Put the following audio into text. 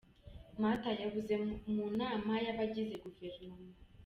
Mata: Yabuze mu nama y’ abagize guverinoma .